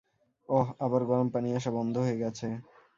অহ, আবার গরম পানি আসা বন্ধ হয়ে গেছে।